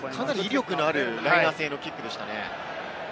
威力のあるライナー性のキックでしたね。